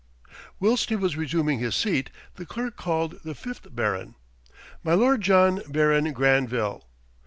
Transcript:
Whilst he was resuming his seat, the Clerk called the fifth Baron, "My Lord John, Baron Granville."